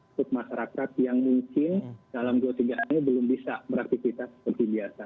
untuk masyarakat yang mungkin dalam dua tiga hari belum bisa beraktivitas seperti biasa